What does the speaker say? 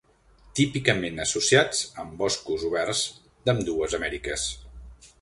Típicament associats amb boscos oberts d'ambdues Amèriques.